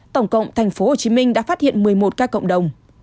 tổng cộng tp hcm đã phát hiện một mươi một ca cộng đồng